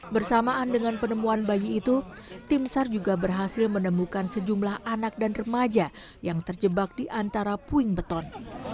bersamaan dengan penemuan bayi itu tim sar juga berhasil menemukan sejumlah anak dan remaja yang terjebak di antara puing beton